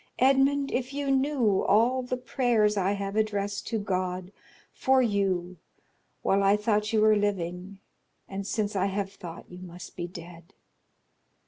Edmond, if you knew all the prayers I have addressed to God for you while I thought you were living and since I have thought you must be dead!